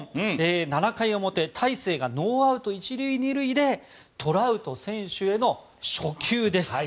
７回表、大勢がノーアウト１塁２塁でトラウト選手への初球です。